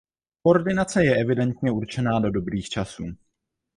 Koordinace je evidentně určená do dobrých časů.